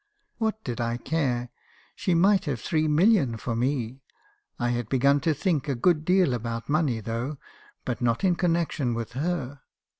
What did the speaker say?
"What did I care? She might have three millions for me. I had begun to think a good deal about money, though, but not in connection with her.